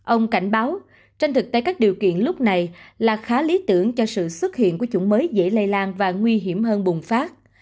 ông cảnh báo trên thực tế các điều kiện lúc này là khá lý tưởng cho sự xuất hiện của chủng mới dễ lây lan và nguy hiểm hơn bùng phát